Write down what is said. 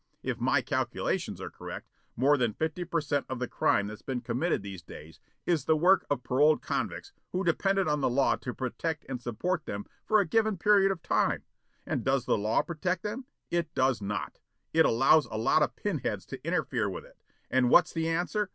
If my calculations are correct, more than fifty per cent of the crime that's bein' committed these days is the work of paroled convicts who depended on the law to protect and support them for a given period of time. And does the law protect them? It does not. It allows a lot of pinheads to interfere with it, and what's the answer?